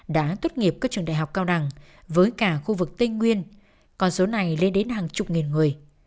đã tốt nghiệp các trường đại học cao đẳng với cả khu vực tây nguyên còn số này lên đến hàng chục nghìn người